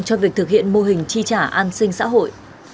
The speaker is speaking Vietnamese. cho việc thực hiện mô hình tri trả an sinh xã hội